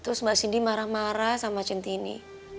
terus mbak cindy marah marah sama cinti ini